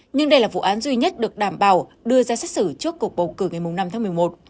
nhưng đây là vụ án duy nhất được đảm bảo đưa ra xét xử trước cuộc bầu cử ngày năm tháng một mươi một